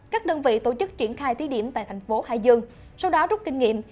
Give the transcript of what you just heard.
các đơn vị tổ chức triển khai thí điểm tại thành phố hải dương sau đó rút kinh nghiệm